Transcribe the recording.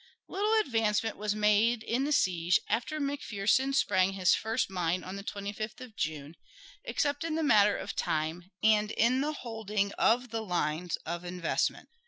Little advancement was made in the siege after McPherson sprang his first mine on the 25th of June, except in the matter of time and in the holding of the lines of investment.